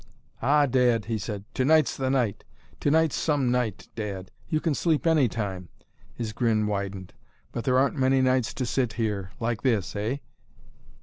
"Ah, Dad," he said, "tonight's the night! Tonight's some night, Dad. You can sleep any time " his grin widened "but there aren't many nights to sit here like this Eh?"